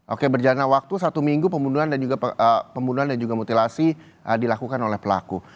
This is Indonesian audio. oke berjalan waktu satu minggu pembunuhan dan juga mutilasi dilakukan oleh pelaku